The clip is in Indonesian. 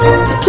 kenceng pa lu